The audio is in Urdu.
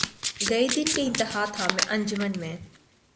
گئے دن کہ تنہا تھا میں انجمن میں